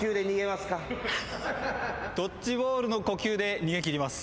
ドッジボールの呼吸で逃げ切ります。